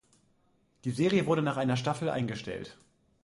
Die Serie wurde nach einer Staffel eingestellt.